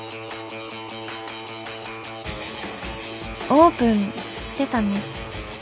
オープンしてたね。